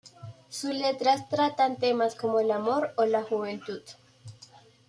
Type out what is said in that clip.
Sus letras tratan temas como el amor o la juventud.